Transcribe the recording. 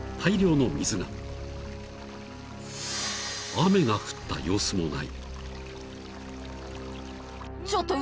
［雨が降った様子もない］